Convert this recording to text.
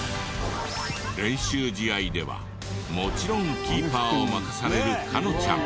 練習試合ではもちろんキーパーを任される香乃ちゃん。